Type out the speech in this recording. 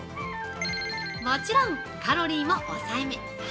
もちろんカロリーも抑えめ！